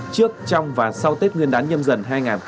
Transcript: trước trong và sau tết nguyên đán nhâm dần hai nghìn hai mươi bốn